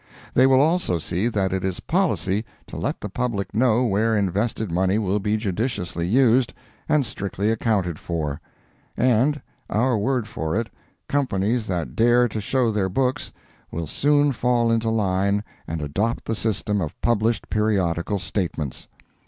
They will also see that it is policy to let the public know where invested money will be judiciously used and strictly accounted for; and, our word for it, Companies that dare to show their books, will soon fall into line and adopt the system of published periodical statements.